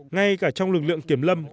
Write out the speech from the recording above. ngay cả trong lực lượng kiểm lâm